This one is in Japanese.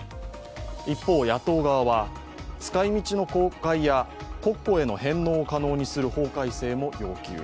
一方、野党側は、使い道の公開や国庫への返納を可能にする法改正も要求。